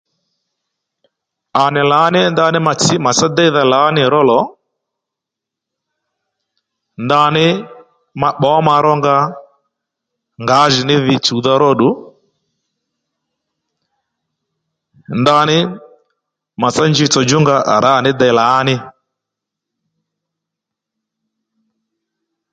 À nì lǎní ndaní ma tsǐ màtsá lǎní déydha ró lò ndaní ma pbǒ ma rónga ngǎjìní dhi chùwdha róddù ndaní màtsá njitsò djúnga à rǎ ní dey lǎní